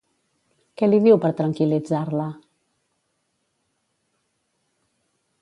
Què li diu per tranquil·litzar-la?